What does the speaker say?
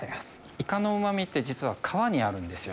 イカのうまみって、実は皮にあるんですよ。